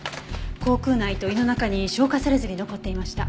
口腔内と胃の中に消化されずに残っていました。